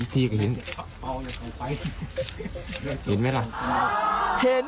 สิทธิก็เห็น